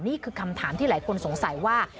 นี่คือคำถามที่หลายคนสงสัยว่า